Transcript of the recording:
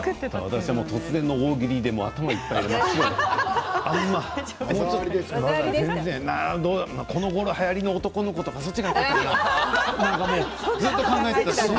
私は突然の大喜利で頭がいっぱいになってこのごろはやりの男の子とかそっちの方がよかったかな？とずっと考えていた。